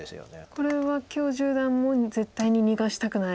これは許十段も絶対に逃がしたくない。